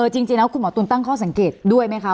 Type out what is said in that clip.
จริงแล้วคุณหมอตุ๋นตั้งข้อสังเกตด้วยไหมคะ